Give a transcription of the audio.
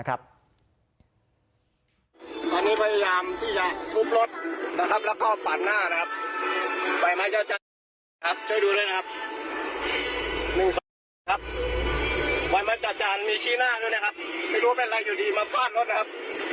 เดี๋ยวแจ้งบำรวดข้างหน้าเลยครับ